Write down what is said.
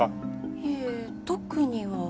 いえ特には。